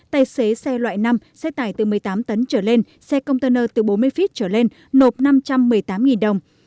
tài xế xe loại năm xe tải từ một mươi tám tấn trở lên xe container từ bốn mươi feet trở lên nộp năm trăm một mươi tám đồng